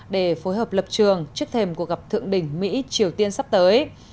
để phối hợp lập trường trước thềm cuộc gặp thượng đỉnh mỹ triều tiên sắp tới